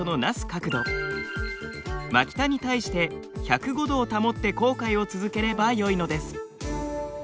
角度真北に対して１０５度を保って航海を続ければよいのです。